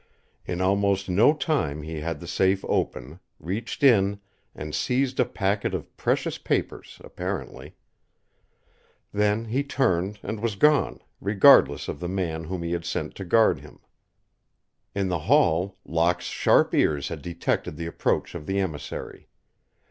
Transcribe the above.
In almost no time he had the safe open, reached in, and seized a packet of precious papers, apparently. Then he turned and was gone, regardless of the man whom he had sent to guard him. In the hall, Locke's sharp ears had detected the approach of the emissary.